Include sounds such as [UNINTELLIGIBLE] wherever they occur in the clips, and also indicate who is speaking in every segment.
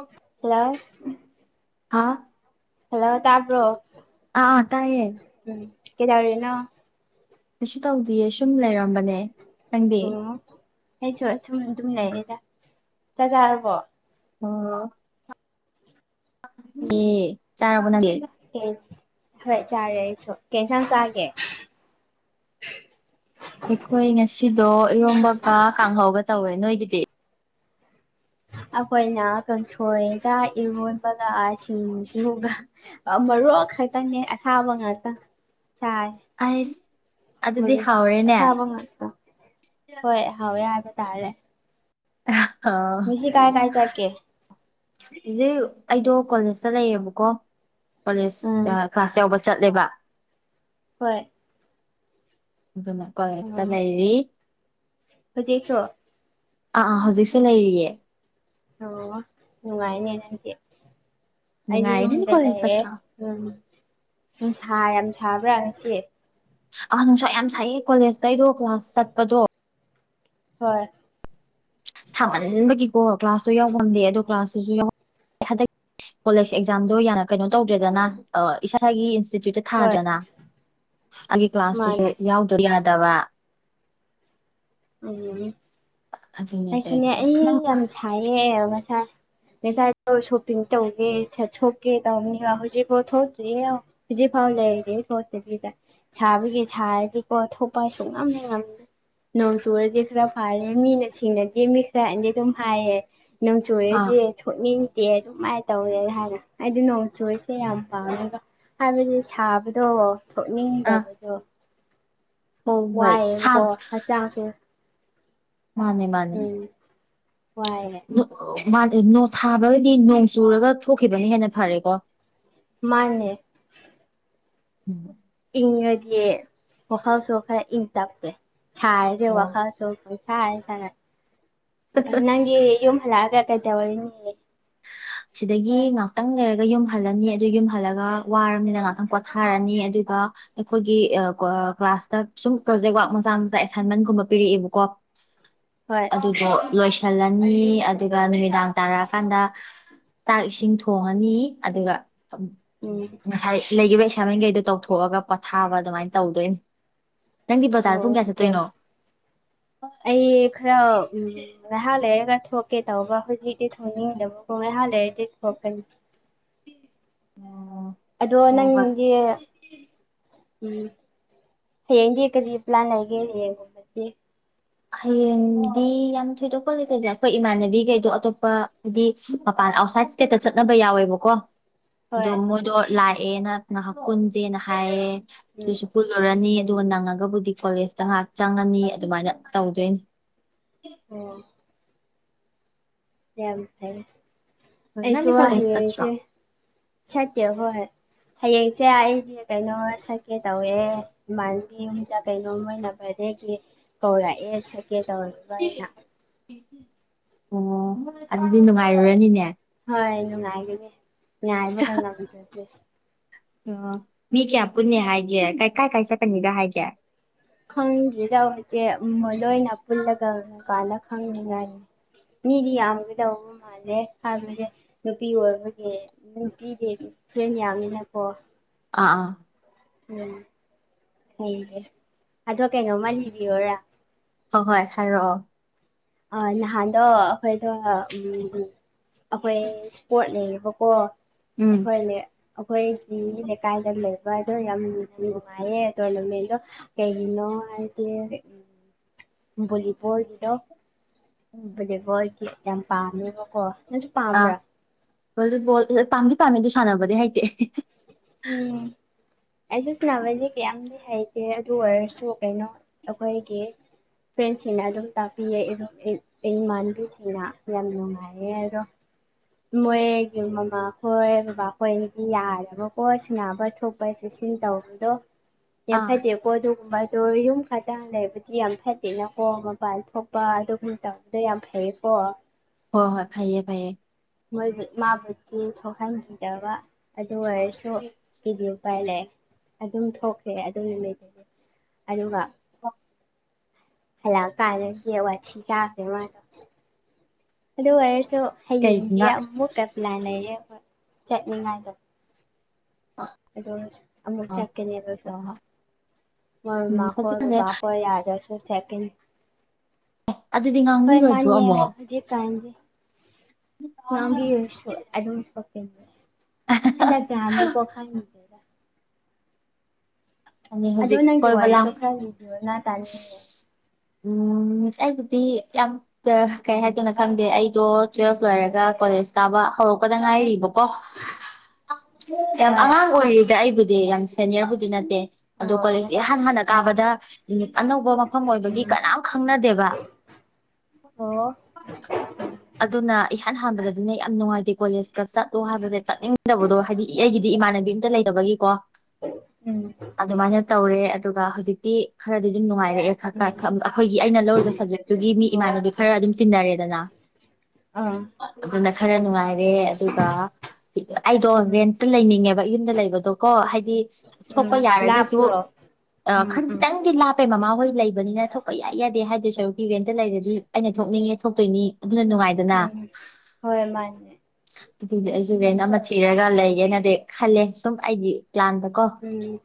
Speaker 1: ꯑꯣꯛ
Speaker 2: hello
Speaker 1: ꯍꯥꯥ
Speaker 2: hello ꯇꯥꯕ꯭ꯔꯣ
Speaker 1: ꯑꯥ ꯑ ꯇꯥꯏꯌꯦ
Speaker 2: ꯎꯝ ꯀꯩꯗꯕꯔꯤꯅ
Speaker 1: ꯀꯩꯁꯨ ꯇꯧꯗꯦꯌꯦ ꯁꯨꯝ ꯂꯩꯔꯝꯕꯅꯦ ꯅꯪꯗꯦ
Speaker 2: ꯑꯩꯁꯨꯊꯨꯝ ꯑꯗꯨꯝ ꯂꯩꯔꯤꯗ ꯆꯖꯥꯔꯕꯣ
Speaker 1: ꯑꯣ
Speaker 2: ꯎꯝ
Speaker 1: ꯁꯤ ꯆꯥꯕꯅꯒꯦ
Speaker 2: ꯍꯣꯏ ꯆꯥꯔꯦ ꯑꯩꯁꯨ ꯀꯦꯟꯁꯥꯡ ꯆꯥꯒꯦ
Speaker 1: ꯑꯩꯈꯣꯏ ꯉꯁꯤꯗꯣ ꯏꯔꯣꯝꯕꯀ ꯀꯥꯡꯍꯧꯒ ꯇꯧꯋꯦ ꯅꯣꯏꯒꯤꯗꯤ
Speaker 2: ꯑꯩꯈꯣꯏꯅ ꯀꯥꯡꯁꯣꯏꯒ ꯏꯔꯣꯟꯕꯒ ꯁꯤꯡꯁꯤꯡꯒ ꯃꯔꯨꯞ ꯈꯛꯇꯪꯅꯦ ꯑꯁꯥꯕ ꯉꯥꯛꯇ ꯁꯥꯏ
Speaker 1: ꯑꯩꯁ
Speaker 2: ꯃ
Speaker 1: ꯑꯗꯨꯗꯤ ꯍꯥꯎꯔꯦꯅꯦ
Speaker 2: ꯑꯁꯥꯕꯉꯥꯛ ꯍꯣꯏ ꯍꯥꯎꯋꯦ ꯌꯥꯕ ꯇꯥꯔꯔꯦ
Speaker 1: ꯑ
Speaker 2: ꯀꯥꯏ ꯀꯥꯏ ꯆꯥꯏꯀꯦ
Speaker 1: ꯏꯦ ꯑꯩꯗꯣ ꯀꯣꯂꯦꯖꯇ ꯂꯩꯌꯦꯕꯀꯣ
Speaker 2: ꯎꯝ
Speaker 1: ꯀꯣꯂꯦꯖ ꯀ꯭ꯂꯥꯁ ꯌꯥꯎꯕ ꯆꯠꯂꯦꯕ
Speaker 2: ꯍꯣꯏ
Speaker 1: ꯑꯗꯨꯅ ꯀꯣꯂꯦꯖꯇ ꯂꯩꯔꯤ
Speaker 2: ꯖꯦꯛꯁꯣ
Speaker 1: ꯑꯥ ꯑꯥ ꯍꯧꯖꯤꯛꯁꯦ ꯂꯩꯔꯤꯌꯦ
Speaker 2: ꯑꯣ ꯎꯅꯨꯡꯉꯥꯏꯅꯦꯅꯦ ꯑꯩꯗꯤ
Speaker 1: ꯅꯨꯡꯉꯥꯏꯌꯦ ꯅꯪꯗꯤ ꯀꯣꯂꯦꯖ
Speaker 2: ꯌꯗꯗꯑꯦ
Speaker 1: ꯆꯠꯇ꯭ꯔꯣ
Speaker 2: ꯎꯝ ꯝꯁꯥ ꯌꯥꯝ ꯁꯥꯕ꯭ꯔꯥ ꯉꯁꯤꯦ
Speaker 1: ꯑ ꯅꯨꯡꯁꯥ ꯌꯥꯝ ꯁꯥꯏꯌꯦ ꯀꯣꯂꯦꯖꯇ ꯑꯩꯗꯣ ꯀ꯭ꯂꯥꯁ ꯆꯠꯄꯗꯣ
Speaker 2: ꯍꯣꯏ
Speaker 1: ꯁꯥꯃꯟꯕꯒꯤꯀꯣ ꯀ꯭ꯂꯥꯁꯇꯣ ꯌꯥꯎꯐꯝꯗꯦ ꯑꯗꯣ ꯀ꯭ꯂꯥꯁꯇꯁꯨ ꯌꯥꯎ ꯍꯟꯗꯛ ꯀꯣꯂꯦꯖ ꯑꯦꯛꯖꯥꯝꯗꯣ ꯌꯥꯝꯅ ꯀꯩꯅꯣ ꯇꯧꯗ꯭ꯔꯦꯗꯅ ꯏꯁꯥꯒꯤ ꯏꯟꯇꯤꯇ꯭ꯌꯨꯠꯇ
Speaker 2: ꯍꯣꯏ
Speaker 1: ꯊꯥꯖꯅ ꯑꯩꯒꯤ ꯀ꯭ꯂꯥꯁꯇꯨꯁꯨ
Speaker 2: ꯃꯥꯅꯦ
Speaker 1: ꯌꯥꯎꯗ ꯌꯥꯗꯕ
Speaker 2: ꯎ
Speaker 1: ꯑꯗꯨꯅꯦ
Speaker 2: ꯂꯥꯏꯁꯨꯅꯦ
Speaker 1: ꯇꯧꯔꯤꯁꯦ
Speaker 2: ꯑꯩ
Speaker 1: ꯅꯪ
Speaker 2: ꯌꯥꯝ
Speaker 1: ꯑꯥ
Speaker 2: ꯁꯥꯏꯌꯦ ꯉꯁꯥꯏ ꯉꯁꯥꯏꯗ ꯁꯣꯄꯤꯡ ꯇꯧꯒꯦ ꯆ ꯁꯣꯛꯀꯦ ꯇꯧꯅꯤꯕ ꯍꯧꯖꯤꯛꯐꯥꯎ ꯊꯣꯛꯇ꯭ꯔꯤꯌꯦ ꯍꯧꯖꯤꯛꯐꯥꯎ ꯂꯩꯔꯤꯦ ꯈꯣꯠꯇꯕꯤꯗ ꯁꯥꯕꯒꯤ ꯁꯥꯔꯗꯤꯀꯣ ꯊꯣꯛꯄ ꯍꯥꯏꯁꯨ ꯉꯝꯅ ꯉꯝ ꯅꯣꯡ ꯆꯨꯔꯗꯤ ꯈꯔ ꯐꯥꯔꯦ ꯃꯤꯅ ꯁꯤꯡꯅꯗꯦ ꯃꯤ ꯈꯔ ꯍꯥꯏꯅꯗꯤ ꯑꯗꯨꯝ ꯍꯥꯏꯌꯦ ꯅꯁꯨꯨꯑꯦ ꯀꯦ ꯁꯣꯛꯅꯤꯡꯗꯦ ꯑꯗꯨꯃꯥꯏ ꯇꯧꯋꯦ ꯍꯥꯏꯅ ꯑꯩꯗꯤ ꯅꯣꯡ ꯆꯨꯁꯦ ꯌꯥꯝ ꯄꯥꯝꯃꯦꯒ ꯍꯥꯏꯕꯗꯤ ꯁꯥꯕꯗꯣ
Speaker 1: ꯑꯥ
Speaker 2: ꯊꯣꯛꯅꯤꯡꯗꯕꯗꯣ꯫
Speaker 1: ꯍꯣꯏ ꯍꯣꯏ ꯁꯥ
Speaker 2: ꯋꯥꯏꯌꯦꯕꯀꯣ ꯍꯛꯆꯥꯡꯁꯨ
Speaker 1: ꯃꯥꯅꯦ ꯃꯥꯅꯦ
Speaker 2: ꯋꯥꯏꯌꯦ
Speaker 1: ꯅꯣ ꯃꯥ ꯅꯣ ꯁꯥꯕꯒꯗꯤ ꯅꯣꯡ ꯆꯨꯔꯒ ꯊꯣꯛꯈꯤꯕꯅ ꯍꯦꯟꯅ ꯐꯔꯦꯀꯣ꯫
Speaker 2: ꯃꯥꯅꯦ
Speaker 1: [UNINTELLIGIBLE]
Speaker 2: ꯏꯪꯉꯗꯤ ꯋꯥꯈꯜꯁꯨ ꯈꯔ ꯏꯪ ꯇꯞꯄꯦ ꯁꯥꯔꯗꯤ
Speaker 1: ꯑꯣ
Speaker 2: ꯋꯥꯈꯜ ꯄꯩꯁꯥ ꯁꯥꯅ ꯅꯪꯒꯤ ꯌꯨꯝ ꯍꯜꯂꯛꯑꯒ ꯀꯩꯗꯧꯔꯤꯅꯤ [UNINTELLIGIBLE]
Speaker 1: ꯁꯤꯗꯒꯤ ꯉꯥꯏꯍꯥꯛꯇꯪ ꯂꯩꯔꯒ ꯌꯨꯝꯍꯜꯂꯅꯤ ꯑꯗꯨ ꯌꯨꯝꯍꯜꯂꯒ ꯋꯥꯔꯕꯅꯤꯅ ꯉꯍꯥꯛꯇꯪ ꯄꯣꯊꯥꯔꯅꯤ ꯑꯗꯨꯒ ꯑꯩꯈꯣꯏꯒꯤ ꯀ꯭ꯂꯥꯁꯇ ꯁꯨꯝ ꯄ꯭ꯔꯣꯖꯦꯛ ꯋꯥꯔꯛ ꯃꯆꯥ ꯃꯆꯥ ꯑꯦꯁꯥꯏꯟꯃꯦꯟꯒꯨꯝꯕ ꯄꯤꯔꯛꯑꯦꯕꯀꯣ
Speaker 2: ꯍꯣꯏ
Speaker 1: ꯑꯗꯨꯨꯕꯣ ꯂꯣꯏꯁꯤꯜꯂꯅꯤ ꯑꯗꯨꯒ ꯅꯨꯃꯤꯗꯥꯡ ꯇꯥꯔꯛꯑꯀꯥꯟꯗ ꯆꯥꯛ ꯏꯁꯤꯡ ꯊꯣꯡꯉꯅꯤ ꯑꯗꯨꯒ
Speaker 2: ꯎꯝ
Speaker 1: ꯉꯁꯥꯏ ꯂꯩꯈꯤꯕ ꯏꯁꯥꯃꯛꯈꯩꯗꯣ ꯇꯧꯊꯣꯛꯑꯒ ꯄꯣꯊꯥꯕ ꯑꯗꯨꯃꯥꯏꯅ ꯇꯧꯗꯣꯏꯅꯤ ꯅꯪꯒꯤ ꯕꯖꯥꯔ ꯄꯨꯡ
Speaker 2: ꯑꯣ
Speaker 1: ꯀꯌꯥ
Speaker 2: ꯌꯥꯝ
Speaker 1: ꯆꯠꯇꯣꯏꯅꯣ?
Speaker 2: ꯑꯩ ꯈꯔ ꯎꯝ ꯉꯥꯏꯍꯥꯛ ꯂꯩꯔꯒ ꯊꯣꯛꯀꯦ ꯇꯧꯕ ꯍꯧꯖꯤꯛꯇꯗꯤ ꯊꯣꯡꯅꯤꯡꯗꯕꯣ ꯉꯥꯏꯍꯥꯛ ꯂꯩꯔꯗꯤ ꯊꯣꯛꯀꯅꯤ꯫
Speaker 1: ꯑꯣ
Speaker 2: ꯑꯗꯣꯒ
Speaker 1: ꯍꯣꯏ
Speaker 2: ꯅꯪꯒꯤ ꯎꯝ ꯍꯌꯦꯡꯗꯤ ꯀꯔꯤ ꯄ꯭ꯂꯥꯟ ꯂꯩꯒꯦ ꯌꯦꯉꯣ꯫
Speaker 1: ꯍꯌꯦꯡꯗꯤ ꯌꯥꯝ ꯊꯣꯏꯗꯣꯛꯄ ꯂꯩꯇꯗꯦ ꯑꯈꯣꯏ ꯏꯃꯥꯟꯅꯕꯤꯈꯩꯗꯣ ꯑꯇꯣꯞꯄ ꯍꯥꯏꯗꯤ ꯃꯄꯥꯟ ꯑꯥꯎꯠꯁꯥꯏꯠ ꯀꯦꯠꯇ ꯆꯠꯅꯕ ꯌꯥꯎꯋꯦꯕꯀꯣ ꯑꯗꯣ
Speaker 2: ꯍꯣꯏ
Speaker 1: ꯃꯣꯏꯗꯣ ꯂꯥꯛꯑꯦꯅ ꯉꯍꯥꯛ ꯀꯨꯟꯖꯦꯅ ꯍꯥꯏꯌꯦ
Speaker 2: ꯎꯝ
Speaker 1: ꯑꯗꯨꯁꯨ ꯄꯨꯜꯂꯨꯔꯅꯤ ꯑꯗꯨꯒ ꯅꯪꯉꯒꯕꯨꯗꯤ ꯀꯣꯂꯦꯖꯇ ꯉꯥꯍꯥꯛ ꯆꯪꯉꯅꯤ ꯑꯗꯨꯃꯥꯏꯅ ꯇꯧꯗꯨꯏꯅꯤ꯫
Speaker 2: ꯑꯣ ꯌꯥꯝ ꯐꯩ
Speaker 1: ꯍꯣꯏ
Speaker 2: ꯑꯩꯁꯨ
Speaker 1: ꯅꯪꯗꯤ ꯀꯣꯂꯦꯖ ꯆꯠꯇ꯭ꯔꯣ
Speaker 2: ꯋꯥꯍꯩꯁꯦ ꯁꯇꯦ ꯍꯣꯍꯣꯏ꯫ ꯍꯌꯦꯡꯁꯦ ꯑꯩ ꯀꯩꯅꯣ ꯁꯛꯀꯦ ꯇꯧꯋꯦ ꯏꯃꯥꯟꯕꯤ ꯌꯨꯝꯗ ꯀꯩꯅꯣ ꯃꯣꯏꯅ ꯕꯥꯔꯗꯦꯒꯤ ꯀꯧꯔꯑꯦ ꯁꯀꯦ ꯇꯧꯔꯤꯕ ꯑꯩꯅ
Speaker 1: ꯑꯣ ꯑꯗꯨꯗꯤ ꯅꯨꯡꯉꯥꯏꯔꯨꯔꯅꯤꯅꯦ꯫
Speaker 2: ꯍꯣꯏ ꯅꯨꯡꯉꯥꯏꯒꯅꯤ ꯉꯥꯏꯕꯒ ꯉꯝꯖꯗꯔ꯭ꯦ
Speaker 1: ꯑꯣ ꯃꯤ ꯀꯌꯥ ꯄꯨꯟꯅꯤ ꯍꯥꯏꯒꯦ ꯀ ꯀꯥꯏ ꯀꯥꯏ ꯆꯠꯀꯅꯤꯒ ꯍꯥꯏꯒꯦ?
Speaker 2: ꯈꯪꯗ꯭ꯔꯤꯗ ꯍꯨꯏꯆꯦ ꯎꯝ ꯃꯣꯏꯗ ꯑꯣꯏꯅ ꯄꯨꯜꯂꯒ ꯀꯥꯜꯂ ꯈꯪꯅꯤꯉꯥꯏꯅꯤ꯫ ꯃꯤꯗꯤ ꯌꯥꯝꯒꯗꯧ ꯃꯥꯥꯜꯂꯦ ꯍꯥꯏꯕꯁꯦ ꯅꯨꯄꯤ ꯑꯣꯏꯕꯗꯤ ꯅꯨꯄꯤꯗꯤ ꯐ꯭ꯔꯦꯟ ꯌꯥꯝꯅꯤꯅꯀꯣ
Speaker 1: ꯑꯥ ꯑꯥ
Speaker 2: ꯎꯝ ꯍꯗꯦ ꯑꯗꯣ ꯀꯩꯅꯣꯝꯃ ꯂꯤꯕꯤꯌꯣꯔꯥ?
Speaker 1: ꯍꯣ ꯍꯣꯏ ꯍꯥꯏꯔꯛꯑꯣ
Speaker 2: ꯑ ꯅꯍꯥꯟꯗꯣ ꯑꯈꯣꯏꯗꯣ ꯎꯝ ꯑꯈꯣꯏ ꯁꯄꯣꯔꯠ ꯂꯩꯌꯦꯕꯀꯣ
Speaker 1: ꯎꯝ
Speaker 2: ꯑꯈꯣꯏꯅꯦ ꯑꯩꯈꯣꯏꯒꯤ ꯂꯩꯀꯥꯏꯗ ꯂꯩꯕ ꯑꯗꯣ ꯌꯥꯝꯅ ꯅꯨꯡꯉꯥꯏꯌꯦ ꯇꯣꯔꯅꯥꯃꯦꯟꯗꯣ ꯀꯩꯒꯤꯅꯣ ꯍꯥꯏꯗꯤ ꯕꯣꯂꯤꯕꯣꯜ ꯒꯤꯗꯣ ꯌꯦꯒꯣꯒꯤ ꯌꯥꯝ ꯄꯥꯝꯃꯦꯕꯀꯣ ꯅꯪꯁꯨ ꯄꯥꯝꯕ꯭ꯔꯥ?
Speaker 1: ꯕꯣꯂꯤꯕꯣꯜ ꯄꯥꯝꯗꯤ ꯄꯥꯝꯃꯦ ꯑꯗꯨ ꯁꯥꯟꯅꯕꯗꯤ ꯍꯩꯇꯦ꯫
Speaker 2: ꯎꯝ ꯑꯩꯁꯨ ꯁꯥꯟꯅꯕꯁꯦ ꯀꯌꯥꯝꯗꯤ ꯍꯩꯇꯦ ꯑꯗꯨ ꯑꯣꯏꯔꯁꯨ ꯀꯩꯅꯣ ꯑꯩꯈꯣꯏꯒꯤ ꯐ꯭ꯔꯦꯟꯁꯤꯡꯅ ꯑꯗꯨꯝ ꯇꯥꯛꯄꯤꯌꯦ ꯑꯩ ꯏꯃꯥꯟꯕꯤꯁꯤꯡꯅ ꯌꯥꯝ ꯅꯨꯡꯉꯥꯏꯌꯦ ꯑꯗꯣ ꯃꯣꯏꯒꯤ ꯃꯃꯥꯈꯣꯏ ꯕꯕꯥꯈꯣꯏꯗꯤ ꯌꯥꯔꯦꯕꯀꯣ ꯁꯤꯅꯕ ꯊꯣꯛ
Speaker 1: ꯑꯥ
Speaker 2: [UNINTELLIGIBLE] ꯀꯣ ꯑꯗꯨꯒꯨꯝꯕꯗꯣ ꯌꯨꯝ ꯈꯗ ꯂꯩꯕꯗꯤ ꯌꯥꯝ ꯐꯠꯇꯦꯅꯀꯣ ꯃꯄꯥꯟ ꯊꯣꯛꯄ ꯑꯗꯨꯒꯨꯝꯕ ꯇꯧ ꯑꯗꯨ ꯌꯥꯝ ꯐꯩꯌꯦ ꯀꯣ
Speaker 1: ꯍꯣꯏ ꯍꯣꯏ ꯐꯩꯌꯦ ꯐꯩꯌꯦ꯫
Speaker 2: ꯃꯣꯏꯕꯨ ꯃꯥꯕꯨꯗꯤ ꯊꯣꯛꯍꯟꯈꯤꯗꯕ ꯑꯗꯨ ꯑꯣꯏꯔꯁꯨ ꯀꯩꯗꯤ ꯎꯄꯥꯏ ꯂꯩꯛꯑꯦ ꯑꯗꯨꯝ ꯊꯣꯛꯈ꯭ꯔꯦ ꯑꯗꯨ ꯅꯨꯃꯤꯠꯇꯗꯤ ꯑꯗꯨꯒ
Speaker 1: ꯑꯣ
Speaker 2: ꯍꯂꯛ ꯑ ꯀꯟꯗ ꯁꯤꯁꯦ ꯋꯥꯊꯤ ꯆꯥꯗꯣꯏ ꯃꯥꯂꯦ꯫ ꯑꯗꯨ ꯑꯣꯏꯔꯁꯨ
Speaker 1: ꯀꯩ
Speaker 2: ꯍꯌꯦꯡꯖꯦ
Speaker 1: ꯉꯥꯛ
Speaker 2: ꯑꯃꯨꯛꯀ ꯄ꯭ꯂꯥꯟ ꯂꯩꯌꯦ ꯈꯣꯏ ꯆꯠꯅꯤꯉꯥꯏꯗꯣ꯫
Speaker 1: ꯑ
Speaker 2: ꯑꯗꯣ ꯑꯃꯨꯛ
Speaker 1: ꯑ
Speaker 2: ꯆꯠꯀꯅꯤ ꯑꯗꯁꯨ
Speaker 1: ꯍꯣꯏ ꯍꯣꯏ
Speaker 2: ꯃꯣꯏ
Speaker 1: ꯎꯝ
Speaker 2: ꯃꯃꯥ ꯈꯣꯏ
Speaker 1: ꯍꯧꯖꯤꯛꯀꯥꯟꯅꯦ
Speaker 2: ꯕꯥꯕꯥ ꯈꯣꯏ ꯌꯥꯗꯁ [UNINTELLIGIBLE]
Speaker 1: ꯑꯗꯨꯗꯤ
Speaker 2: ꯍꯣꯏ
Speaker 1: ꯉꯥꯡꯕꯤꯔꯣꯏꯗ꯭ꯔꯣ
Speaker 2: ꯃꯥꯟꯅꯦ
Speaker 1: ꯑꯃꯨꯛ
Speaker 2: ꯍꯨꯖꯤꯛ ꯀꯥꯟꯖꯦ ꯅꯪꯒꯤ [UNINTELLIGIBLE] ꯍꯟꯗꯛ ꯀꯥꯡꯗꯤꯀꯣ ꯈꯪꯅꯤ
Speaker 1: ꯑꯅꯤ
Speaker 2: ꯑꯗꯣ
Speaker 1: ꯍꯧꯖꯤꯛ
Speaker 2: ꯅꯪꯒꯤ
Speaker 1: ꯀꯣꯏꯕ ꯂꯥꯡ
Speaker 2: ꯋꯥꯔꯤꯗꯣ ꯈꯔ ꯂꯤꯕꯤꯌꯣꯅ ꯇꯥꯅꯤꯡꯉꯦ
Speaker 1: ꯎꯝ ꯑꯩꯕꯨꯗꯤ ꯌꯥꯝ ꯀꯩ ꯍꯥꯏꯗꯣꯏꯅꯣ ꯈꯪꯗꯦ ꯑꯩꯗꯣ ꯇꯨꯋꯦꯜꯐ ꯂꯣꯏꯔꯒ ꯀꯣꯂꯦꯖ ꯀꯥꯕ ꯍꯧꯔꯛꯄꯗ ꯉꯥꯏꯔꯤꯕꯣ ꯀꯣ ꯌꯥꯝ
Speaker 2: ꯍꯣꯏ
Speaker 1: ꯑꯉꯥꯡ ꯑꯣꯏꯔꯤꯗ ꯑꯩꯕꯨꯗꯤ ꯌꯥꯝ ꯁꯦꯅꯤꯌꯔꯕꯨꯗꯤ ꯅꯠꯇꯦ ꯑꯗꯣ
Speaker 2: ꯑꯣ
Speaker 1: ꯀꯣꯂꯦꯖꯁ ꯏꯍꯥꯟ ꯍꯥꯟꯅ
Speaker 2: ꯑꯣ
Speaker 1: ꯀꯥꯕꯗ ꯑꯅꯧꯕ ꯃꯐꯝ ꯑꯣꯏꯕꯒꯤ
Speaker 2: ꯎꯝ
Speaker 1: ꯀꯅꯥꯝ ꯈꯪꯅꯗꯦꯕ
Speaker 2: ꯑꯣ
Speaker 1: ꯑꯗꯨꯅ ꯏꯍꯥꯟ ꯍꯥꯟꯕꯗꯤꯅꯦ ꯌꯥꯝ ꯅꯨꯡꯉꯥꯏꯇꯦ ꯀꯣꯂꯦꯖꯀ ꯆꯠꯂꯣ ꯍꯥꯏꯕꯁꯦ ꯆꯠꯅꯤꯡꯗꯕꯗꯣ ꯍꯥꯏꯗꯤ ꯑꯩꯒꯤꯗꯤ ꯏꯃꯥꯟꯅꯕꯤ ꯑꯝꯇ ꯂꯩꯇꯕꯒꯤꯀꯣ
Speaker 2: ꯎꯝ
Speaker 1: ꯑꯗꯨꯃꯥꯏꯅ ꯇꯧꯔꯦ ꯑꯗꯨꯒ ꯍꯧꯖꯤꯛꯇꯤ ꯈꯔꯗꯤ ꯑꯗꯨꯝ ꯅꯨꯡꯉꯥꯏꯔꯛꯑꯦ ꯈꯔ
Speaker 2: ꯎꯝ
Speaker 1: ꯈꯔ ꯑꯩꯈꯣꯏꯒꯤ ꯑꯩꯅ ꯂꯧꯔꯤꯕ ꯁꯕꯖꯦꯛꯇꯨꯒꯤ ꯃꯤ
Speaker 2: ꯑꯣ
Speaker 1: ꯏꯃꯥꯟꯅꯕꯤ ꯈꯔ ꯑꯗꯨꯝ ꯇꯤꯟꯅꯔꯦꯗꯅ
Speaker 2: ꯑꯥ
Speaker 1: ꯑꯗꯨꯅ ꯈꯔ ꯅꯨꯡꯉꯥꯏ ꯔꯦ ꯑꯗꯨꯒ ꯑꯩꯗꯣ
Speaker 2: ꯎꯝ
Speaker 1: ꯔꯦꯟꯇ ꯂꯩꯅꯤꯡꯉꯦꯕ ꯌꯨꯝꯗ ꯂꯩꯕꯗꯣ ꯀꯣ ꯍꯥꯏꯗꯤ
Speaker 2: ꯎꯝ
Speaker 1: ꯊꯣꯛꯄ ꯌꯥꯔꯒꯁꯨ
Speaker 2: ꯂꯥꯞꯄ꯭ꯔꯣ ꯎꯝ ꯎꯝ
Speaker 1: ꯈꯔꯇꯪꯗꯤ ꯂꯞꯄꯦ ꯑꯩꯈꯣꯏ ꯃꯃꯥꯍꯣꯏ ꯂꯩꯕꯅꯤꯅ ꯊꯣꯛꯄ ꯌꯥꯏ ꯌꯥꯗꯦ ꯍꯥꯏꯗꯣꯏ ꯁꯔꯨꯛꯀꯤ ꯔꯦꯟꯠꯇ ꯂꯩꯔꯗꯤ ꯑꯩꯅ ꯊꯣꯛꯅꯤꯡꯉꯦ ꯊꯣꯛꯇꯣꯏꯅꯤ ꯑꯗꯨꯅ ꯅꯨꯡꯉꯥꯏꯗꯅ
Speaker 2: ꯎꯝ ꯍꯣꯏ ꯃꯥꯅꯦ
Speaker 1: ꯑꯗꯨꯏꯗꯤ ꯑꯩꯁꯨ ꯔꯦꯟ
Speaker 2: ꯎꯝ
Speaker 1: ꯑꯃ ꯊꯤ ꯊꯤꯔꯒ ꯂꯩꯒꯦꯅꯗꯤ ꯈꯜꯂꯦ ꯁꯨꯝ ꯑꯩꯒꯤ ꯄ꯭ꯂꯥꯟꯗ ꯀꯣ
Speaker 2: ꯎꯝ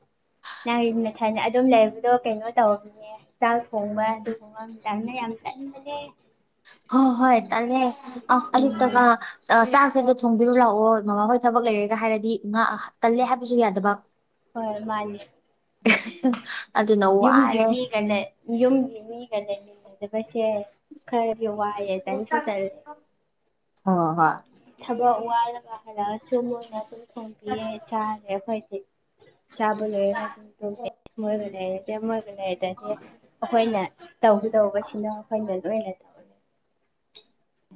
Speaker 2: ꯅꯪꯒꯤ ꯅꯊꯟꯗ ꯑꯗꯨꯝ ꯂꯩꯕꯗꯣ ꯀꯩꯅꯣ ꯇꯧꯅꯦ ꯆꯥꯛ ꯊꯣꯡꯕ ꯑꯗꯨꯒꯨꯝꯕ ꯌꯥꯝ ꯆꯪꯕꯅꯦ
Speaker 1: ꯍ ꯍꯣꯏ ꯇꯜꯂꯦ ꯑꯌꯨꯛꯇꯒ
Speaker 2: ꯎꯝ
Speaker 1: ꯑ ꯆꯥꯛꯁꯦ ꯑꯝꯇ ꯊꯣꯡꯕꯤꯔꯨ ꯂꯥꯛꯑꯣ ꯃꯃꯥꯍꯣꯏ ꯊꯕꯛ ꯂꯩꯔꯦꯒ ꯍꯥꯏꯔꯗꯤ ꯉꯥ ꯇꯜꯂꯦ ꯍꯥꯏꯕꯁꯨ ꯌꯥꯗꯕ
Speaker 2: ꯍꯣꯏ ꯃꯥꯅꯦ
Speaker 1: ꯑꯗꯨꯅ
Speaker 2: ꯌꯨꯝꯒꯤ
Speaker 1: ꯋꯥꯔꯦ
Speaker 2: ꯃꯤꯒ ꯌꯨꯝꯒꯤ ꯃꯤꯒꯅꯦ ꯂꯩꯃꯤꯟꯅꯗꯕꯁꯦ ꯈꯔꯗꯤ ꯋꯥꯏꯌꯦ ꯇꯟꯁꯨ ꯇꯜꯂꯦ ꯊꯕꯛ ꯋꯥꯔꯕ ꯍꯥꯜꯂꯛ ꯑꯁꯨ ꯃꯣꯏꯅ ꯑꯗꯨꯝ ꯊꯣꯡꯕꯤꯌꯦ ꯆꯥꯔꯦ ꯑꯩꯈꯣꯏꯗꯤ ꯆꯥꯕ ꯂꯣꯏꯔꯒ ꯑꯗꯨꯝ ꯇꯨꯝꯃꯦ ꯃꯣꯏꯒ ꯂꯩꯔꯦ ꯏꯌꯥꯝꯕꯒ ꯂꯩꯔꯗꯤ ꯑ ꯩꯈꯣꯏꯅ ꯇꯧꯒꯗꯧꯕꯁꯤꯅ ꯑꯩꯈꯣꯏꯅ ꯂꯣꯏꯅ ꯇꯧꯔꯦ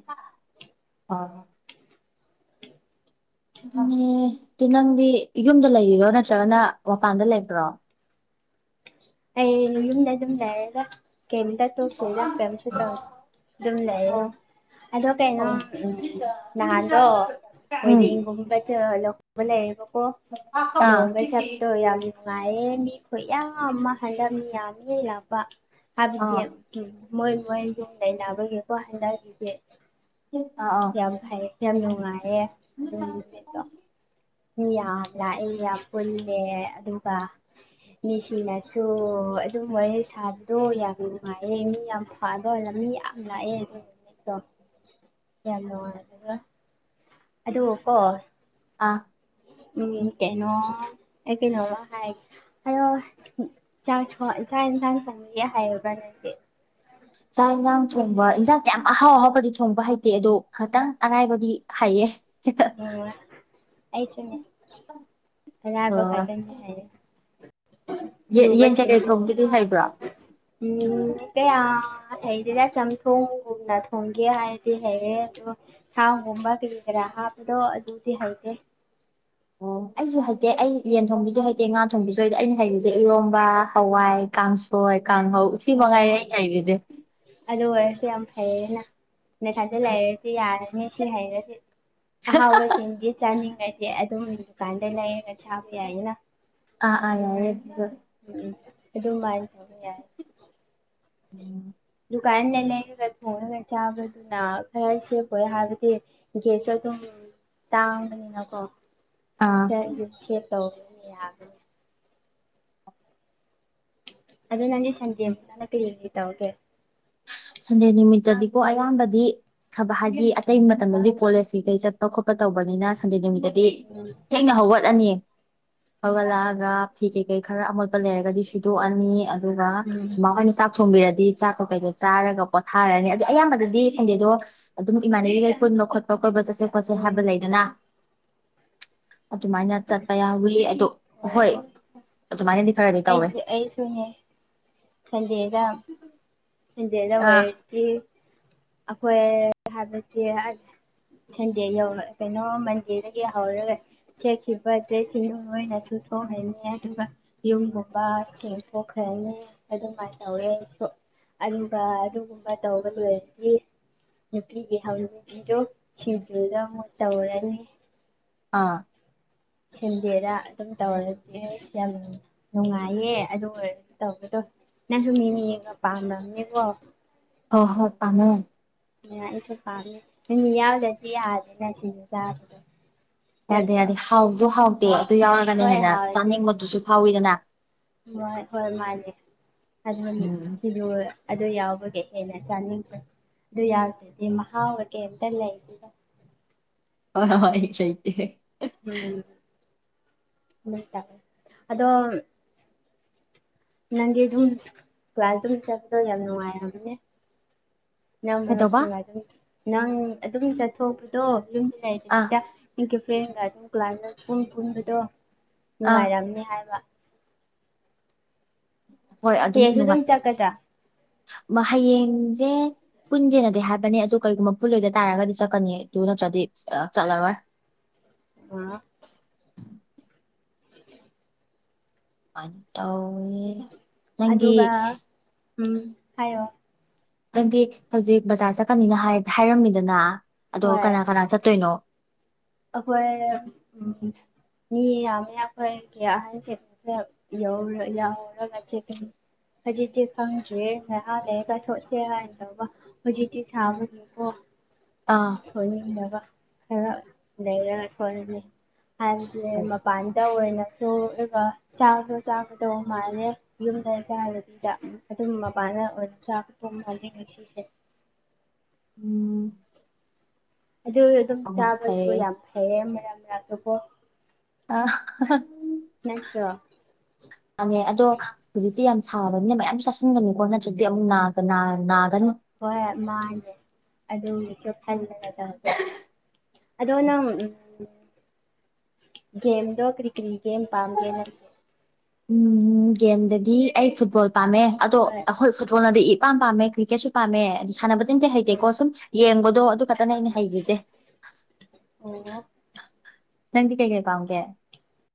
Speaker 1: ꯍꯥ ꯑꯥ ꯑꯗꯨ ꯅꯪꯗꯤ ꯌꯨꯝꯗ ꯂꯩꯔꯤꯔꯣ ꯅꯠꯇ꯭ꯔꯒꯅ ꯃꯄꯥꯟꯗ ꯂꯩꯕ꯭ꯔꯣ
Speaker 2: ꯑꯩ ꯌꯨꯝ ꯌꯨꯝꯗ ꯑꯗꯨꯝ ꯂꯩꯔꯒꯦ ꯀꯦꯝꯁꯨ ꯊꯣꯛꯇꯦꯗ ꯀꯦꯝꯁꯨ ꯇꯧꯗꯦ ꯗꯨꯝ ꯂꯩꯌꯦ
Speaker 1: ꯑꯣ
Speaker 2: ꯑꯗꯣ ꯀꯩꯅꯣ
Speaker 1: ꯑꯣ
Speaker 2: ꯎ ꯅꯍꯥꯟꯗꯣ
Speaker 1: ꯎꯝ
Speaker 2: ꯀꯣꯏꯔꯦꯡꯒꯨꯝꯕꯗꯣ ꯑꯃ ꯂꯩꯔꯦꯕꯀꯣ
Speaker 1: ꯑꯥ ꯑꯥ
Speaker 2: ꯂꯨꯍꯣꯡꯕꯩ ꯆꯥꯛꯇꯣ ꯌꯥꯝ ꯅꯨꯡꯉꯥꯏꯔꯦ ꯃꯤ ꯈꯨꯌꯥꯝ ꯑꯃ ꯍꯟꯗꯛ ꯃꯤ ꯌꯥꯝꯃꯤ ꯂꯥꯛꯄ ꯍꯥꯏꯕꯗꯤ
Speaker 1: ꯑꯥ
Speaker 2: ꯎꯝ ꯃꯣꯏ ꯃꯣꯏ ꯔꯨꯝ ꯂꯩꯅꯕꯒꯤꯀꯣ ꯍꯟꯅꯈꯤꯗꯦ
Speaker 1: ꯑꯧ ꯑꯧ
Speaker 2: ꯌꯥꯝ ꯐꯩ ꯌꯥꯝ ꯅꯨꯡꯉꯥꯏꯌꯦ ꯑꯗꯨꯒꯤꯗꯤ ꯃꯤ ꯌꯥꯝ ꯂꯥꯛꯑꯦ ꯌꯥꯝ ꯄꯨꯜꯂꯦ ꯑꯗꯨꯒ ꯃꯤꯁꯤꯡꯅꯁꯨ ꯑꯗꯨꯝ ꯋꯥꯔꯤ ꯁꯥꯕꯗꯣ ꯌꯥꯝ ꯅꯨꯡꯉꯥꯏꯌꯦ ꯃꯤ ꯌꯥꯝ ꯀꯥꯗ ꯑꯣꯏꯅ ꯃꯤ ꯌꯥꯝ ꯂꯥꯛꯑꯦ ꯑꯩꯈꯣꯏꯒꯤꯗꯣ ꯌꯥꯝ ꯅꯨꯉꯥꯏꯌꯦꯕ ꯑꯗꯨ ꯀꯣ
Speaker 1: ꯑꯥ
Speaker 2: ꯎꯝ ꯀꯩꯅꯣ ꯑꯩ ꯀꯩꯅꯣꯝꯃꯥ ꯍꯥꯏꯒꯦ ꯍꯌꯣ ꯆꯥꯛ ꯌꯦꯟꯁꯥꯡ ꯊꯣꯡꯕꯗꯤ ꯍꯥꯏꯔꯕ꯭ꯔꯥ ꯅꯪꯗꯤ
Speaker 1: ꯆꯥꯛ ꯌꯦꯟꯖꯥꯡ ꯊꯣꯡꯕ ꯏꯟꯖꯥꯡ ꯌꯥꯝ ꯑꯍꯥꯎ ꯑꯍꯥꯎꯕꯗꯤ ꯊꯣꯡꯕ ꯊꯣꯡꯕ ꯍꯩꯇꯦ ꯑꯗꯣ ꯈꯇꯪ ꯑꯔꯥꯏꯕꯗꯤ ꯍꯩꯌꯦ
Speaker 2: ꯎꯝ ꯑꯩꯁꯨꯅꯦ ꯑꯂꯥꯏꯕ
Speaker 1: ꯑꯣ
Speaker 2: ꯈꯇꯪꯗꯤ ꯍꯩꯔꯦ
Speaker 1: ꯌꯦꯟ ꯀꯩꯀꯩ ꯊꯧꯒꯦꯗ ꯍꯩꯕ꯭ꯔꯣ
Speaker 2: ꯎꯝ ꯀꯌꯥ ꯍꯩꯇꯦꯗ ꯆꯝꯊꯣꯡꯒꯨꯝꯅ ꯊꯣꯡꯒꯦ ꯍꯥꯏꯔꯗꯤ ꯍꯩꯔꯦ ꯑꯗꯣ ꯊꯥꯎꯒꯨꯝꯕ ꯀꯩꯔꯤ ꯀꯔꯥ ꯍꯥꯞꯄꯗꯣ ꯑꯗꯨꯗꯤ ꯍꯩꯗꯦ
Speaker 1: ꯑꯣ ꯑꯩꯁꯨ ꯍꯩꯇꯦ ꯑꯩ ꯌꯦꯟ ꯊꯣꯡꯕꯤꯁꯨ ꯍꯩꯇꯦ ꯉꯥ ꯊꯣꯡꯕꯤꯁꯨ ꯍꯩꯇꯦ ꯑꯩꯅ ꯍꯩꯕꯁꯦ ꯏꯔꯣꯝꯕ ꯍꯋꯥꯏ ꯀꯥꯡꯁꯣꯏ ꯀꯥꯡꯍꯧ ꯁꯤꯃꯛ
Speaker 2: ꯑꯣ
Speaker 1: ꯉꯥꯏꯔꯦ ꯑꯩꯅ ꯍꯩꯔꯤꯁꯦ
Speaker 2: ꯑꯗꯨ ꯑꯣꯏꯔꯁꯨ ꯌꯥꯝ ꯐꯩꯌꯦꯅ ꯉꯁꯥꯏꯗ ꯂꯩꯔꯁꯨ ꯌꯥꯔꯅꯤ ꯁꯤ ꯍꯩꯔꯗꯤ ꯑꯍꯥꯎꯕꯁꯤꯡꯁꯦ ꯆꯥꯅꯤꯡꯉꯥꯗꯤ ꯑꯗꯨꯝ ꯗꯨꯀꯥꯟꯗꯩ ꯂꯩꯔꯒ ꯆꯥꯕ ꯌꯥꯏꯌꯦꯅ
Speaker 1: ꯑꯥ ꯑꯥ ꯌꯥꯏꯌꯦ
Speaker 2: ꯎꯝ ꯎꯝ ꯑꯗꯨꯃꯥꯏꯅ ꯇꯧꯕ ꯌꯥꯏꯌꯦ
Speaker 1: ꯎ [UNINTELLIGIBLE]
Speaker 2: ꯗꯨꯀꯥꯟꯗꯩ ꯂꯩꯔꯒ ꯊꯣꯡꯉꯥꯒ ꯆꯥꯕꯗꯨꯅ ꯈꯔ ꯁꯦꯞ ꯑꯣꯏꯌꯦ ꯍꯥꯏꯕꯗꯤ ꯒꯦꯠꯁꯨ ꯑꯗꯨꯝ ꯇꯥꯡꯕꯅꯤꯅꯀꯣ
Speaker 1: ꯑꯥ
Speaker 2: ꯈ꯭ꯔ ꯑꯗꯨꯝ ꯁꯦꯞ ꯇꯧꯕ ꯌꯥꯒꯅꯤ ꯑꯗꯣ ꯅꯪꯗꯤ ꯁꯟꯗꯦ ꯅꯨꯃꯤꯠꯇꯥꯅ ꯀ꯭ꯔꯤ ꯀ꯭ꯔꯤ ꯇꯧꯒꯦ
Speaker 1: ꯁꯟꯗꯦ ꯅꯨꯃꯤꯠꯇꯥꯗꯤꯀꯣ ꯑꯌꯥꯝꯕꯗꯤ ꯊꯕꯛ ꯍꯥꯏꯗꯤ ꯑꯇꯩ ꯃꯇꯝꯗꯗꯤ ꯀꯣꯂꯦꯖꯀꯤ ꯀꯩ ꯀꯩ ꯆꯠꯄ ꯈꯣꯠꯄ ꯇꯧꯕꯅꯤꯅ ꯁꯟꯗꯦ ꯅꯨꯃꯤꯠꯇꯗꯤ
Speaker 2: ꯎꯝ [UNINTELLIGIBLE]
Speaker 1: ꯊꯦꯡꯅ ꯍꯧꯒꯠꯂꯥꯅꯤ ꯍꯧꯒꯠꯂꯛꯑꯒ ꯐꯤ ꯀꯩ ꯀꯩ ꯀꯩ ꯈꯔ ꯑꯃꯣꯠꯄ ꯂꯩꯔꯒꯗꯤ ꯁꯨꯗꯣꯛꯑꯅꯤ ꯑꯗꯨꯒ
Speaker 2: ꯎꯝ
Speaker 1: ꯃꯥꯃꯥ ꯍꯣꯏꯅ ꯆꯥꯛ ꯊꯣꯡꯕꯤꯔꯗꯤ ꯆꯥꯛ ꯀꯩꯩꯗꯣ ꯆꯥꯔꯒ ꯄꯣꯠꯊꯥꯔꯅꯤ ꯑꯗꯣ ꯑꯌꯥꯝꯕꯗꯗꯤ ꯁꯟꯗꯦꯗꯣ ꯑꯗꯨꯝ ꯏꯃꯥꯟꯅꯕꯤꯒꯩ ꯄꯨꯟꯕ ꯈꯣꯠꯄ ꯀꯣꯏꯕ ꯆꯠꯁꯦ ꯈꯣꯠꯁꯦ ꯍꯥꯏꯕ
Speaker 2: ꯎꯝ
Speaker 1: ꯂꯩꯗꯅ ꯑꯗꯨꯃꯥꯏꯅ ꯆꯠꯄ ꯌꯥꯎꯋꯤ ꯑꯗꯣ ꯍꯣꯏ
Speaker 2: ꯑꯣ
Speaker 1: ꯑꯗꯨꯃꯥꯏꯅꯗꯤ ꯈꯔꯥꯗꯤ ꯇꯧꯋꯦ
Speaker 2: ꯑꯩꯁꯨꯨꯅꯦ ꯈꯪꯗꯦꯗ ꯁꯟꯗꯦꯗꯥ
Speaker 1: ꯑꯥ
Speaker 2: ꯑꯣꯏꯔꯗꯤ ꯑꯩꯈꯣꯏ ꯍꯥꯏꯕꯗꯤ ꯁꯟꯗꯦ ꯌꯧꯔꯣꯏ ꯀꯩꯅꯣ ꯃꯟꯗꯦꯗꯥꯒꯤ ꯍꯧꯔꯒ ꯁꯦꯠꯈꯤꯕ ꯗ꯭ꯔꯦꯁ ꯁꯤꯡꯗꯣ ꯂꯣꯏꯅ ꯁꯨꯗꯣꯛ ꯍꯟꯅꯤ ꯑꯗꯨꯒ ꯌꯨꯝꯒꯨꯝꯕ ꯁꯦꯡꯇꯣꯛ ꯈ꯭ꯔꯅꯤ ꯑꯗꯨꯃꯥꯏꯅ ꯇꯧꯋꯦ ꯑꯩꯁꯨ ꯑꯗꯨꯒ ꯑꯗꯨꯒꯨꯝꯕ ꯇꯧꯕ ꯂꯣꯏꯔꯗꯤ ꯅꯨꯄꯤꯒꯤ ꯍꯧꯅꯕꯤꯗꯣ ꯁꯤꯡꯖꯨꯗ ꯑꯃꯨꯛ ꯇꯧꯔꯥꯅꯤ
Speaker 1: ꯑꯥ
Speaker 2: ꯁꯟꯗꯦꯗꯥ ꯑꯗꯨꯝ ꯇꯧꯔꯗꯤ ꯑꯁ ꯌꯥꯝ ꯅꯨꯡꯉꯥꯏꯌꯦ ꯑꯗꯨ ꯑꯣꯏꯔꯒ ꯇꯧꯕꯗꯣ ꯅꯪꯁꯨ ꯃꯤ ꯃꯤꯒ ꯌꯦꯟꯒ ꯄꯥꯝꯔꯝꯅꯤꯀꯣ
Speaker 1: ꯍꯣ ꯍꯣꯏ ꯄꯥꯝꯃꯦ
Speaker 2: ꯁꯨ ꯄꯥꯝ ꯃꯤ ꯌꯥꯎꯗꯗꯤ ꯌꯥꯗꯦ ꯅꯁꯤꯗꯗ
Speaker 1: ꯌꯥꯗꯦ ꯌꯥꯗꯦ ꯍꯥꯎꯗꯣ ꯍꯥꯎꯗꯦ
Speaker 2: ꯍꯣꯏ
Speaker 1: ꯑꯗꯨ ꯌꯥꯎꯔꯒꯅꯦ
Speaker 2: ꯍꯣꯏ
Speaker 1: ꯍꯦꯟꯅ
Speaker 2: ꯍꯥꯎꯗꯤ
Speaker 1: ꯆꯥꯅꯤꯡꯕꯗꯨꯁꯨ ꯐꯥꯎꯋꯤꯗꯅ
Speaker 2: ꯍꯣꯏ ꯍꯣꯏ ꯃꯥꯅꯦꯦ
Speaker 1: ꯎꯝ
Speaker 2: ꯑꯗꯨꯅꯤꯗ ꯑꯗꯨ ꯌꯥꯎꯕꯒꯤꯦ ꯍꯦꯟꯅ ꯆꯥꯅꯤꯡꯗ꯭ꯔꯦ ꯑꯗꯨ ꯌꯥꯎꯗꯗꯤ ꯃ ꯃꯍꯥ ꯑꯣꯏꯇꯦ ꯑꯦꯟꯅꯦ ꯍꯥꯏ
Speaker 1: ꯍꯣꯏ ꯍꯣꯏ ꯁꯩ
Speaker 2: ꯎꯝ ꯇ ꯑꯗꯣ ꯅꯪꯒꯤ ꯑꯗꯨꯝ ꯀ꯭ꯂꯥꯁ ꯑꯗꯨꯝ ꯆꯠꯄꯗꯣ ꯌꯥꯝ ꯅꯨꯡꯉꯥꯏꯔꯕꯅꯦ ꯅꯪ
Speaker 1: ꯀꯩꯗꯧꯕ
Speaker 2: ꯃꯔꯨꯞꯁꯤꯅ ꯑꯗꯨꯝ ꯅꯪ ꯑꯗꯨꯝ ꯆꯠꯊꯣꯛꯄꯗꯣ
Speaker 1: ꯑꯥ
Speaker 2: ꯌꯨꯝꯗꯉꯩꯗꯕꯤꯗ ꯑꯩꯒꯤ ꯐ꯭ꯔꯦꯟꯒ ꯑꯗꯨꯝ ꯀ꯭ꯂꯥꯏ ꯄꯨꯡ ꯄꯨꯟꯕꯗꯣ
Speaker 1: ꯑꯥ
Speaker 2: ꯅꯨꯡꯉꯥꯏꯔꯝꯅꯤ ꯍꯥꯏꯕ
Speaker 1: ꯍꯣꯏ ꯑꯗꯨꯝ
Speaker 2: ꯍꯌꯦꯡꯁꯨ
Speaker 1: ꯅꯨꯡꯉꯥꯏ
Speaker 2: ꯆꯠꯀꯗ꯭ꯔꯥ
Speaker 1: ꯍꯌꯦꯡꯁꯦ ꯄꯨꯟꯖꯦꯅꯗꯤ ꯍꯥꯏꯕꯅꯦ ꯑꯗꯣ ꯀꯩꯒꯨꯝꯕ ꯄꯨꯜꯂꯣꯏꯗ ꯇꯥꯔꯒꯗꯤ ꯆꯠꯀꯥꯅꯤ ꯑꯩ ꯑꯗꯨ ꯅꯠꯇ꯭ꯔꯗꯤ ꯆꯠꯂꯥꯔꯣꯏ
Speaker 2: ꯑꯥ [UNINTELLIGIBLE]
Speaker 1: ꯑꯗꯨꯃꯥꯏꯅ ꯇꯧꯋꯤ
Speaker 2: ꯑꯗꯨꯒ ꯎꯝ ꯍꯥꯏꯌꯣ
Speaker 1: ꯅꯪꯗꯤ ꯍꯧꯖꯤꯛ ꯕꯖꯥꯔ ꯆꯠꯀꯅꯤꯅ ꯍꯥꯏꯔꯝꯃꯤꯗꯅ
Speaker 2: ꯍꯣꯏ
Speaker 1: ꯑꯗꯣ ꯀꯅꯥ ꯀꯅꯥ ꯆꯠꯇꯣꯏꯅꯣ
Speaker 2: ꯑꯩꯈꯣꯏ ꯃꯤ ꯌꯥꯝꯃꯦ ꯑꯩꯈꯣꯏꯒꯤ ꯑꯍꯟꯁꯤꯡ ꯈ꯭ꯔ ꯌꯥꯎꯔꯒ ꯆꯠꯀꯅꯤ ꯍꯧꯖꯤꯛꯇꯤ ꯈꯪꯗ꯭ꯔꯤꯌꯦ ꯉꯥꯏꯍꯥꯛ ꯂꯩꯔꯒ ꯊꯣꯛꯁꯤꯔꯥꯅ ꯇꯧꯕ ꯍꯧꯖꯤꯛꯇꯤ ꯁꯥꯕꯒꯤꯀꯣ
Speaker 1: ꯑꯥ
Speaker 2: ꯁꯣꯏꯅꯕ ꯈꯔ ꯂꯩꯔꯒ ꯈꯅꯤ [UNINTELLIGIBLE] ꯍꯥꯏꯕꯗꯤ ꯃꯄꯥꯟꯗ ꯑꯣꯏꯅꯁꯨ ꯑꯗꯨꯒ ꯆꯥꯛꯗꯣ ꯆꯥꯒꯗꯧꯕ ꯃꯥꯥꯜꯂꯦ ꯌꯨꯝꯗ ꯆꯥꯗꯕꯗꯤꯗ ꯑꯗꯨꯝ ꯃꯄꯥꯟꯗ ꯑꯣꯏꯅ ꯆꯥꯒꯗꯧꯕ ꯃꯥꯜꯂꯦ ꯉꯥꯁꯤꯁꯦ
Speaker 1: ꯎꯝ
Speaker 2: ꯑꯗꯨ ꯑꯗꯨꯝ
Speaker 1: ꯍꯣꯏ
Speaker 2: ꯆꯥꯕꯁꯨ
Speaker 1: ꯐꯩꯌꯦ
Speaker 2: ꯌꯥꯝ ꯐꯩꯌꯦ ꯃꯔꯝ ꯑꯗꯨꯀꯣ
Speaker 1: ꯑ
Speaker 2: ꯅꯠꯇ꯭ꯔ
Speaker 1: ꯃꯥꯅꯦ ꯑꯗꯣ ꯍꯧꯖꯤꯛꯇꯤ ꯌꯥꯝ ꯁꯥꯕꯅꯤꯅ ꯃꯌꯥꯝ ꯆꯥꯁꯤꯟꯒꯅꯤꯀꯣ ꯅꯠꯇ꯭ꯔꯗꯤ ꯑꯃꯨꯛꯅꯥ ꯅꯥꯒꯅꯤ
Speaker 2: ꯍꯣꯏ ꯃꯥꯅꯦꯦ ꯑꯗꯨꯒꯤꯁꯨ ꯈꯟꯗꯅꯅꯦ ꯑꯗꯣꯅ ꯦꯝꯗꯣ ꯀꯔꯤ ꯀꯔꯤꯒꯦꯦꯝ ꯄꯥꯝꯒꯦ ꯅ
Speaker 1: ꯎꯝ ꯒꯦꯝꯗꯗꯤ ꯑꯩ ꯐꯨꯠꯕꯣꯜ ꯄꯥꯝꯃꯦ ꯑꯗꯣ
Speaker 2: ꯍꯣꯏ
Speaker 1: ꯑꯩꯈꯣꯏ ꯐꯨꯠꯕꯣꯜꯅꯗꯤ ꯑꯄꯥꯝ ꯄꯥꯝꯃꯦ ꯀ꯭ꯔꯤꯛꯀꯦꯠꯁꯨ ꯄꯥꯝꯃꯦ ꯑꯗꯨ ꯁꯥꯟꯅꯕꯗꯤꯝꯇ
Speaker 2: ꯎꯝ
Speaker 1: ꯍꯩꯇꯦꯀꯣ ꯁꯨꯝ ꯌꯦꯡꯕꯗꯣ ꯑꯗꯨ ꯐꯠꯇꯅ ꯑꯩꯅ ꯍꯩꯈꯤꯁꯦ
Speaker 2: ꯑꯣ
Speaker 1: ꯅꯪꯗꯤ ꯀꯩ ꯀꯩ ꯄꯥꯝꯒꯦ